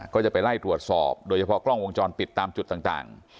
ก็จะไปไล่ตรวจสอบโดยเฉพาะกล้องวงจรปิดตามจุดต่าง